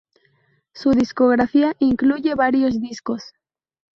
Su discografía incluye varios discos.